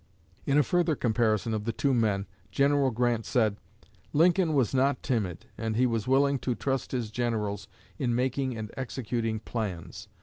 In a further comparison of the two men, General Grant said: "Lincoln was not timid, and he was willing to trust his generals in making and executing plans.